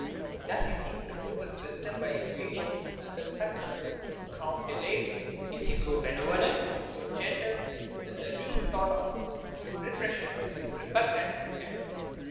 Does he think to prove his wisdom by his patience, and that success will crown delay? Is he so benevolent, so gentle, that the least thought of repression is repugnant to him?